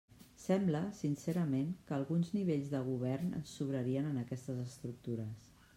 Sembla, sincerament, que alguns nivells de govern ens sobrarien en aquestes estructures.